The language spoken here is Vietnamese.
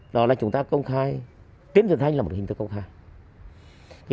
đó là chúng ta công khai tiến dân thanh là một hình thức công khai